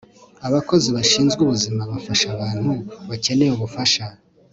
abakozi bashinzwe ubuzima bafasha abantu bakeneye ubufasha